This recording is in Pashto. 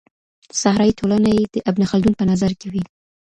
صحرايي ټولني د ابن خلدون په نظر کي وې.